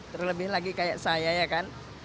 terlebih lagi kayak saya ya kan